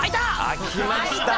開きましたね。